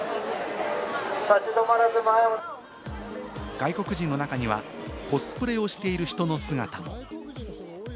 外国人の中にはコスプレをしている人の姿も。